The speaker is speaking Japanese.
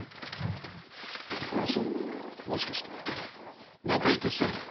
お主もしかして中井徹太郎か？